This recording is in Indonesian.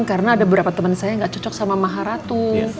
karena ada beberapa temen saya yang gak cocok sama maha ratu